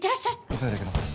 急いでください。